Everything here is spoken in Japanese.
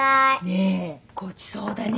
ねえごちそうだね。